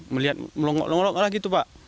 melihat melonggok longgok lah gitu pak